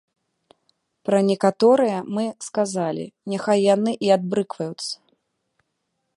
Пра некаторыя мы сказалі, няхай яны і адбрыкваюцца.